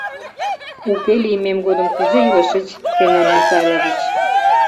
Уке лиймем годым кузе илышыч, Семон Михайлович?